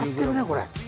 これ。